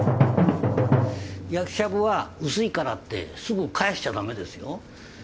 やきしゃぶは薄いからってすぐ返しちゃだめですよ。